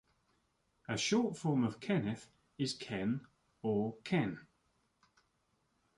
A short form of "Kenneth" is "Ken" or "Kenn".